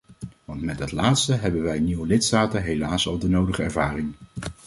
Want met dat laatste hebben wij nieuwe lidstaten helaas al de nodige ervaring.